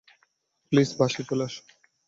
Please বাসায় চলো আসো।